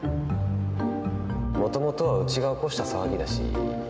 もともとはうちが起こした騒ぎだし